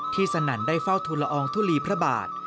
สนั่นได้เฝ้าทุลอองทุลีพระบาท